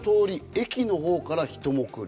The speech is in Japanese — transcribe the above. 駅のほうから人も来る。